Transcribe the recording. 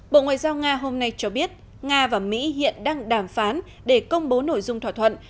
bộ ngoại giao nga hôm nay cho biết nga và mỹ hiện đang đàm phán để công bố nội dung thỏa thuận